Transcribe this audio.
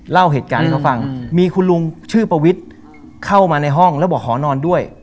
เล่าเหตุการณ์ให้เขาฟังมีคุณลุงชื่อประวิทย์เข้ามาในห้องแล้วบอกขอนอนด้วย